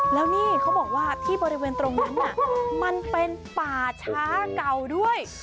แล้วนี่เขาบอกว่าที่บริเวณตรงนั้นน่ะมันเป็นป่าช้าเก่าด้วย